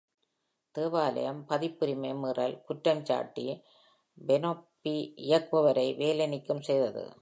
தேவாலயம் பதிப்புரிமை மீறல் குற்றம் சாட்டி பெனெட்ஃபி இயக்குபவரை வேலை நீக்கம் செய்தது.